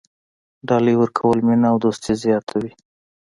ډالۍ ورکول مینه او دوستي زیاتوي.